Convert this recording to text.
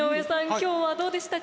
今日はどうでしたか？